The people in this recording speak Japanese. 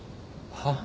はっ？